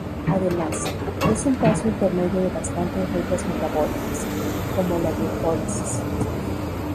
Además, es un paso intermedio de bastantes rutas metabólicas, como la glucólisis.